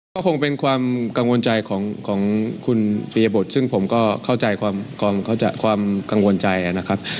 ก็คงเป็นความกังวลใจของคุณปียบุตรซึ่งผมก็เข้าใจความกังวลใจนะครับ